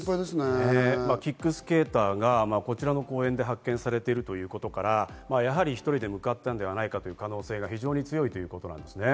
キックスケーターがこちらの公園で発見されているということから、やはり１人で向かったのではないかという可能性が非常に強いっていうことなんですね。